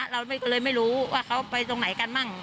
เราก็เลยไม่รู้ว่าเขาไปตรงไหนกันมั่ง